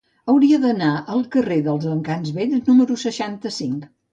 Hauria d'anar al carrer dels Encants Vells número seixanta-cinc.